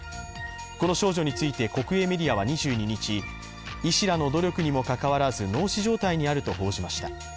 この少女について国営メディアは２２日、医師らの懸命の努力にもかかわらず脳死状態にあると報じました。